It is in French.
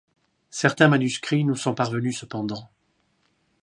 Certains manuscrits nous sont parvenus cependant.